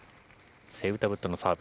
セウタブットのサーブ。